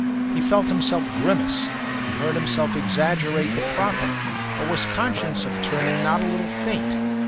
He felt himself grimace, he heard himself exaggerate the proper, but was conscious of turning not a little faint.